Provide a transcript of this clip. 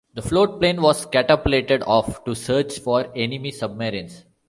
The float plane was catapulted off to search for enemy submarines.